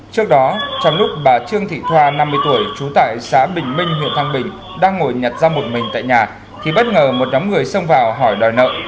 trước đó trong lúc bà trương thị thoa năm mươi tuổi trú tại xã bình minh huyện thăng bình đang ngồi nhặt ra một mình tại nhà thì bất ngờ một nhóm người xông vào hỏi đòi nợ